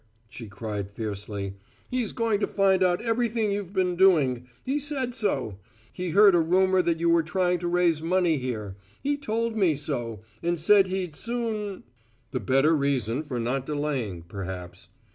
she cried fiercely. "He's going to find out everything you've been doing. He said so. He's heard a rumour that you were trying to raise money here; he told me so, and said he'd soon " "The better reason for not delaying, perhaps.